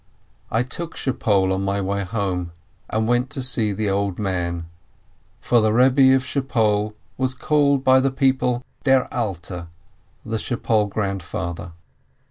I took Schpol on my way home, and went to see the Old Man, for the Rebbe of Schpol was called by the people Der Alter, the "Schpol Grandfather."